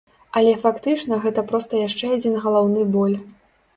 Але фактычна гэта проста яшчэ адзін галаўны боль.